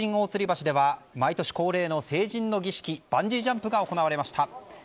吊橋では毎年恒例の成人の儀式バンジージャンプが行われました。